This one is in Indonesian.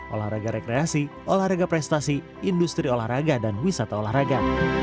olahraga rekreasi olahraga prestasi industri olahraga dan wisata olahraga